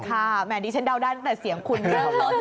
ค่ะแหมดีฉันเด่าได้ตั้งแต่เสียงคุณเลย